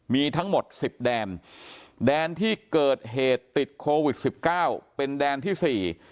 มีทั้งหมด๑๐แดนแดนที่เกิดเหตุติดโควิด๑๙เป็นแดนที่๔